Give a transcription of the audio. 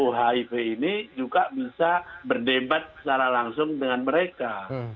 hiv ini juga bisa berdebat secara langsung dengan mereka